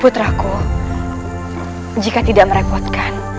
putraku jika tidak merepotkan